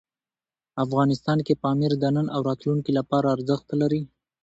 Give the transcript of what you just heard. افغانستان کې پامیر د نن او راتلونکي لپاره ارزښت لري.